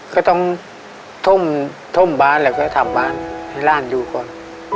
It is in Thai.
ก็ต้องท่มบานไล่ไปทำบานให้ล้านอยู่ก่อน